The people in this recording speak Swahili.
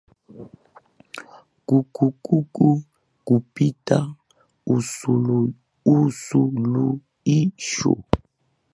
ku ku ku kupata usuluhisho